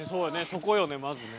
そこよねまずね。